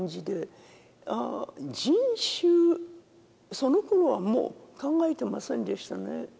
その頃はもう考えてませんでしたね